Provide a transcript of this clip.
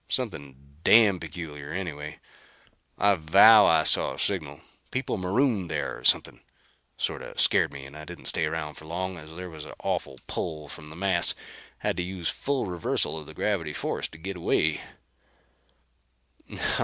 Something damn peculiar, anyway. I vow I saw a signal. People marooned there or something. Sorta scared me and I didn't stay around for long as there was an awful pull from the mass. Had to use full reversal of the gravity force to get away."